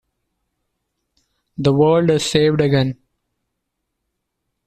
The world is saved again.